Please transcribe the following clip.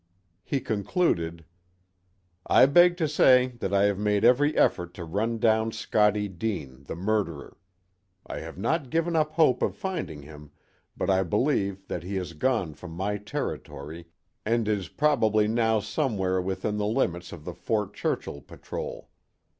He concluded: "I beg to say that I have made every effort to run down Scottie Deane, the murderer. I have not given up hope of finding him, but I believe that he has gone from my territory and is probably now somewhere within the limits of the Fort Churchill patrol.